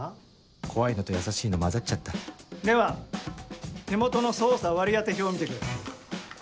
怖いのと優しいの交ざっちゃったでは手元の捜査割り当て表を見てくれ。